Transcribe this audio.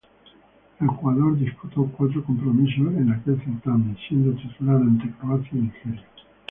El jugador disputó cuatro compromisos en aquel certamen, siendo titular ante Croacia y Nigeria.